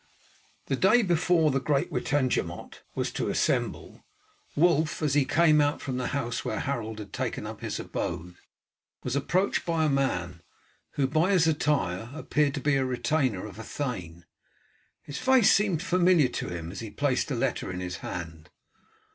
The day before the great Witenagemot was to assemble, Wulf, as he came out from the house where Harold had taken up his abode, was approached by a man, who by his attire appeared to be a retainer of a thane; his face seemed familiar to him, as he placed a letter in his hand.